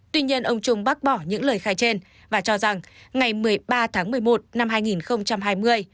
tuy nhiên ông trung bác bỏ những lời khai trên và cho rằng ngày một mươi ba tháng một mươi một năm hai nghìn hai mươi